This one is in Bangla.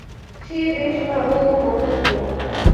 সে বেশ ভাল ও মহৎ লোক।